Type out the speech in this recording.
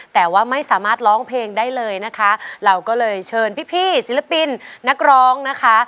แต่ว่าไม่สามารถร้องเพลงได้เลยนะคะเราก็เลยเชิญพี่พี่ศิลปินนักร้องนะคะ